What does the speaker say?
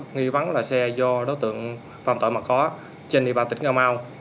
nghi vắng là xe do đối tượng phạm tội mà có trên địa bàn tỉnh ngà mau